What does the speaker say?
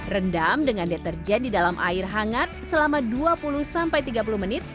rendam dengan deterjen di dalam air hangat selama dua puluh sampai tiga puluh menit